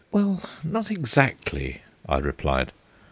"Well, not exactly," I replied.